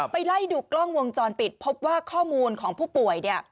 ไล่ดูกล้องวงจรปิดพบว่าข้อมูลของผู้ป่วยเนี่ย